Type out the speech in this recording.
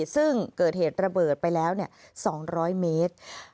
ซึ่งเกิดเหตุระเบิดไปแล้ว๒๐๐เมตร